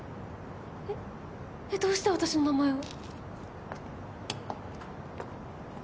えっえっどうして私の名前を？